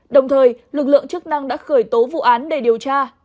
đồng thời lực lượng chức năng đã khởi tố vụ án để điều tra